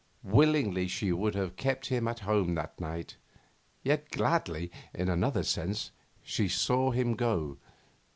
Willingly she would have kept him at home that night, yet gladly, in another sense, she saw him go.